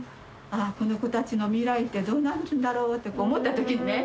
ああこの子たちの未来ってどうなるんだろうって思った時にね